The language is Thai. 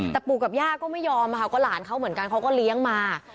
แต่ก็ปู่กับย่าก็ไม่ยอมว่าอะไรเหมือนกันก็เลี้ยงมา